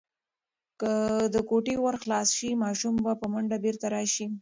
که د کوټې ور خلاص شي، ماشوم به په منډه بیرته راشي.